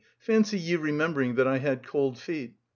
Fancy you remembering that I had cold feet!"